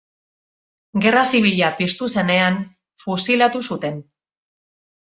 Gerra Zibila piztu zenean, fusilatu zuten.